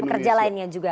ada pekerja lainnya juga